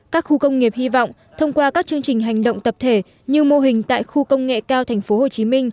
các khu công nghiệp hy vọng thông qua các chương trình hành động tập thể như mô hình tại khu công nghệ cao tp hcm